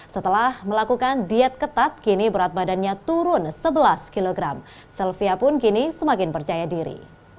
setelah melakukan diet ketat kini berat badannya turun sebelas kg sylvia pun kini semakin percaya diri